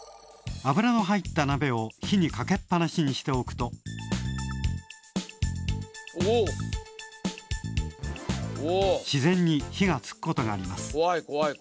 油の入ったなべを火にかけっぱなしにしておくと自然に火がつくことがあります。